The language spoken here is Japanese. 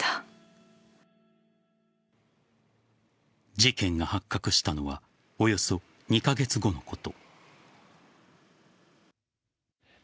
事件が発覚したのはおよそ２カ月後のこと。